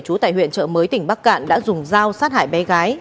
trú tại huyện chợ mới tỉnh bắc cạn đã dùng dao sát hại bé gái